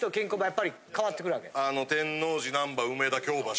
やっぱり変わってくるわけ？